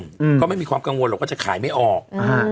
อืมก็ไม่มีความกังวลหรอกว่าจะขายไม่ออกอ่า